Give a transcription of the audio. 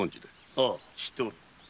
ああ知っておる。